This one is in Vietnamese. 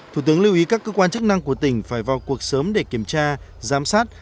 thủ tướng lưu ý các cơ quan chức năng của tỉnh phải vào cuộc sớm để kiểm tra giám sát